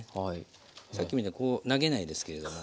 さっきみたいにこう投げないですけれども。